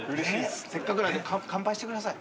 せっかくなんで乾杯してください。